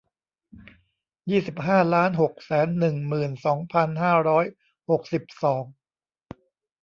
ยี่สิบห้าล้านหกแสนหนึ่งหมื่นสองพันห้าร้อยหกสิบสอง